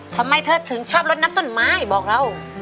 ทำไมเธอถึงชอบลดน้ำต้นไม้บอกเรา